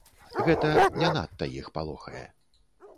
Гэта не надта іх палохае.